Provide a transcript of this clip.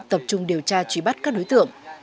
tập trung điều tra trúy bắt các đối tượng